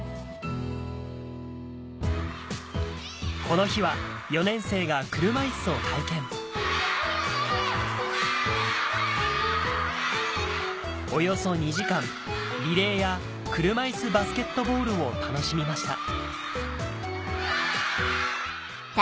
この日は４年生が車いすを体験およそ２時間リレーや車いすバスケットボールを楽しみました